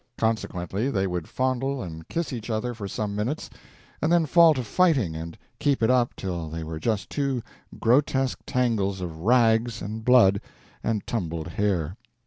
Consequently they would fondle and kiss each other for some minutes, and then fall to fighting and keep it up till they were just two grotesque tangles of rags and blood and tumbled hair.